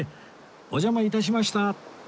お邪魔致しました！